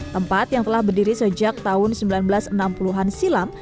tempat yang telah berdiri sejak tahun seribu sembilan ratus enam puluh an silam